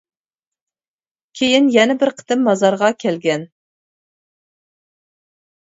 كېيىن يەنە بىر قېتىم مازارغا كەلگەن.